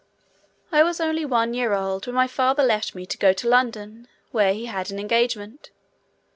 I was only one year old when my father left me to go to London, where he had an engagement.